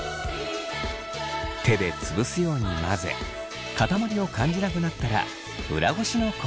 手で潰すように混ぜ塊を感じなくなったら裏ごしの工程へ。